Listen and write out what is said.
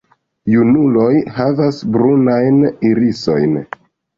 Junuloj havas brunajn irisojn.